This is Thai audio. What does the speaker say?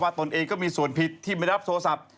ตนเองก็มีส่วนผิดที่ไม่รับโทรศัพท์